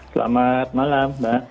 selamat malam mbak